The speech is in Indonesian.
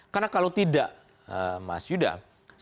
karena kalau tidak mas yudha